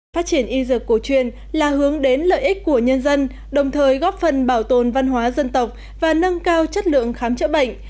phát triển y dược cổ truyền là hướng đến lợi ích của nhân dân đồng thời góp phần bảo tồn văn hóa dân tộc và nâng cao chất lượng khám chữa bệnh